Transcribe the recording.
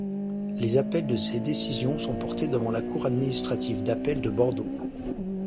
Les appels de ces décisions sont portés devant la Cour administrative d'appel de Bordeaux.